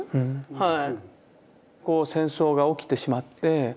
はい。